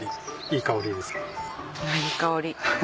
いい香り。